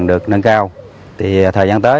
được nâng cao thì thời gian tới